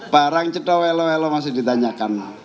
barang cedowelowelow masih ditanyakan